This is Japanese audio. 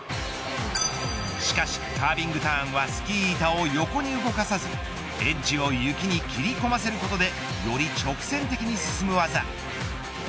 しかしカービングターンはスキー板を横に動かさずエッジを雪に切り込ませることでより直線的に進む技。